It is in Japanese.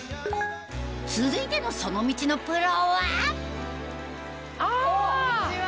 続いてのその道のプロはこんにちは！